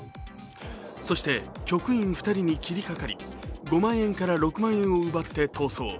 そして、局員２人に切りかかり５万円から６万円を奪って逃走。